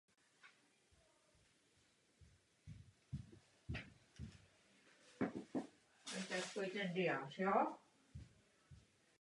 Často také dostávala přívlastek „jen na hraní“.